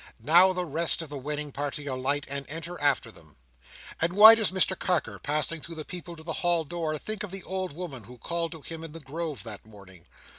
Now, the rest of the wedding party alight, and enter after them. And why does Mr Carker, passing through the people to the hall door, think of the old woman who called to him in the Grove that morning?